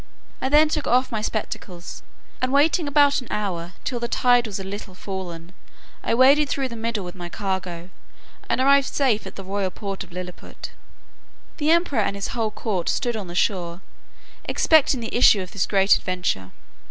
I then took off my spectacles, and waiting about an hour, till the tide was a little fallen, I waded through the middle with my cargo, and arrived safe at the royal port of Lilliput. The emperor and his whole court stood on the shore, expecting the issue of this great adventure.